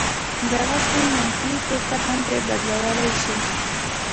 دغسې منفي فکر هم پرې بدلولای شي.